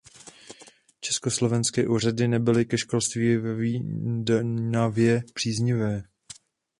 Československé úřady nebyly ke školství ve Vidnavě příznivé.